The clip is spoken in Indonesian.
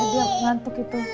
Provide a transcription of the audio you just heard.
aduh aku ngantuk gitu